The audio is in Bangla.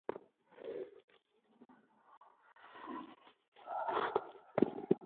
ঘটক রাজাবাহাদুর মধুসূদন ঘোষালের নাম করলে।